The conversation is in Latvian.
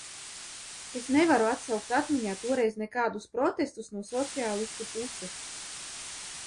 Es nevaru atsaukt atmiņā toreiz nekādus protestus no sociālistu puses.